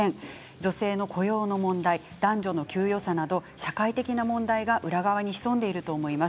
女性の雇用問題男女の給与差など社会的な問題が裏側にひそんでいると思います。